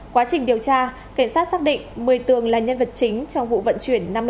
quá trình điều tra cảnh sát xác định một mươi tường là nhân vật chính trong vụ vận chuyển